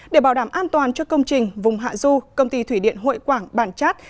để bảo đảm an toàn cho công trình vùng hạ du công ty thủy điện hội quảng bản chát